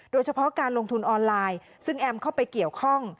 โดยเฉพาะการลงทุนออนไลน์ซึ่งแอมเข้าไปเกี่ยวข้อง